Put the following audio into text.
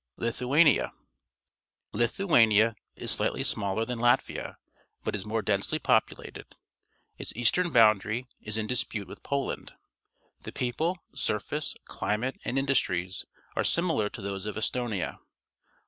Lithuania. — Lithuania is slightly smaller than Latvia, but is more densely populated. Its eastern boundary is in dispute with Poland. The people, surface, climate, and industries are similar to those of Estonia.